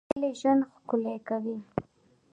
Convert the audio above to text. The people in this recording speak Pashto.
هیلې ژوند ښکلی کوي